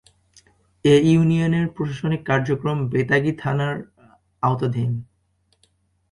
এ ইউনিয়নের প্রশাসনিক কার্যক্রম বেতাগী থানার আওতাধীন।